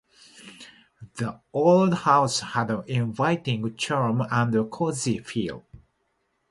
The old house had an inviting charm and a cozy feel.